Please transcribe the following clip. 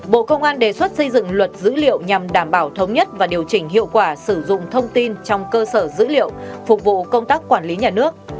bộ công an đề xuất xây dựng luật dữ liệu nhằm đảm bảo thống nhất và điều chỉnh hiệu quả sử dụng thông tin trong cơ sở dữ liệu phục vụ công tác quản lý nhà nước